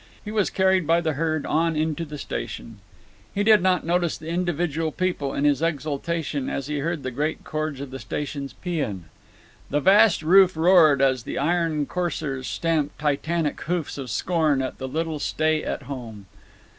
He was carried by the herd on into the station. He did not notice the individual people in his exultation as he heard the great chords of the station's paean. The vast roof roared as the iron coursers stamped titanic hoofs of scorn at the little stay at home.